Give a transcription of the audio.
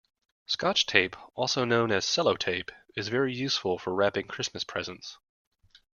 Scotch tape, also known as Sellotape, is very useful for wrapping Christmas presents